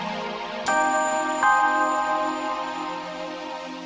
dari pasar kaget mau ke warung